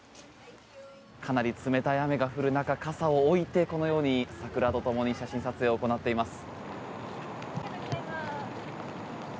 かなり冷たい雨が降る中傘を置いてこのように桜とともに写真撮影を行っています。